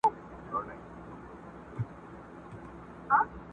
د دې قوم نصیب یې کښلی پر مجمر دی!.